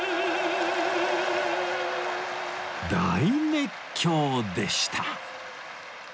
大熱狂でした